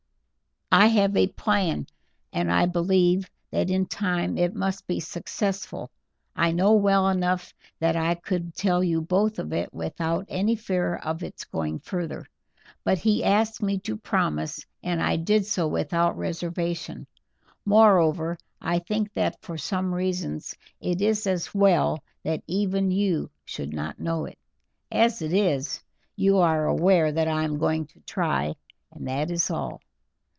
"I have a plan, and I believe that in time it must be successful. I know well enough that I could tell you both of it without any fear of its going further, but he asked me to promise, and I did so without reservation; moreover, I think that for some reasons it is as well that even you should not know it. As it is, you are aware that I am going to try, and that is all.